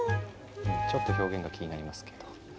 ちょっと表現が気になりますけど。